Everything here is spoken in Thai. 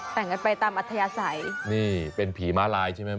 แต่งกันไปตามอัธยาศัยนี่เป็นผีม้าลายใช่ไหม